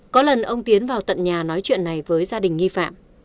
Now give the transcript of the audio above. có lần ông tiến vào tận nhà nói chuyện này với gia đình nghi phạm